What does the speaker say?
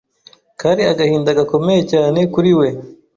kari agahinda gakomeye cyane kuri we